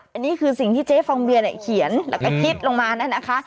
อันนี้คือสิ่งที่เจ๊ฟองเบียเนี่ยเขียนแล้วก็คิดลงมานั่นนะคะ